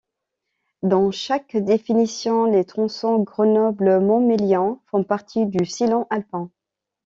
Dans chaque définition, les tronçons Grenoble - Montmélian font partie du sillon alpin.